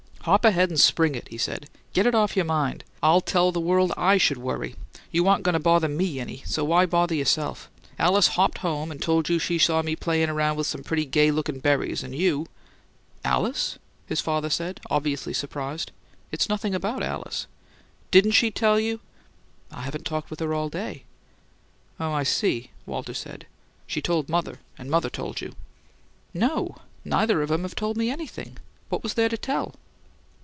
"Hop ahead and spring it," he said. "Get it off your mind: I'll tell the world I should worry! You aren't goin' to bother ME any, so why bother yourself? Alice hopped home and told you she saw me playin' around with some pretty gay lookin' berries and you " "Alice?" his father said, obviously surprised. "It's nothing about Alice." "Didn't she tell you " "I haven't talked with her all day." "Oh, I see," Walter said. "She told mother and mother told you." "No, neither of 'em have told me anything. What was there to tell?"